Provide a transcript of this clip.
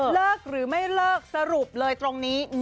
เลิกหรือไม่เลิกสรุปเลยตรงนี้